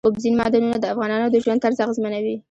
اوبزین معدنونه د افغانانو د ژوند طرز اغېزمنوي.